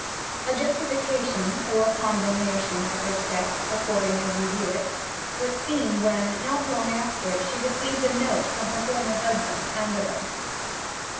A justification, or a condemnation, of her step (according as you view it) was seen when, not long after, she received a note from her former husband Anderling.